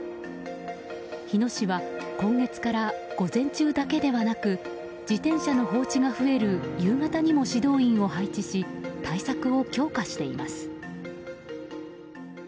日野市は今月から午前中だけではなく自転車の放置が増える夕方にも指導員を配置し対策を強化しています。